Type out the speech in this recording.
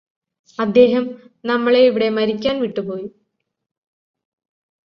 അദ്ദേഹം നമ്മളെ ഇവിടെ മരിക്കാന് വിട്ടു പോയി